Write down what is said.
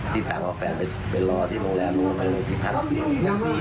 ติดตามเอาแฟนไปไปลอที่โรงแรมที่พันธุ์นี้